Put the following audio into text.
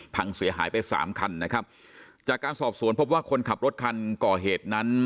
พังเสียหายไปสามคันนะครับจากการสอบสวนพบว่าคนขับรถคันก่อเหตุนั้น